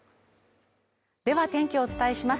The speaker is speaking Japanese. では天気をお伝えします。